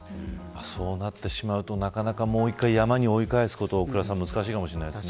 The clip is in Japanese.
そうなってしまうともう１回、山に追い返すことは難しいかもしれないですね。